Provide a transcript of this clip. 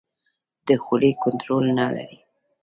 د خولې کنټرول نه لري.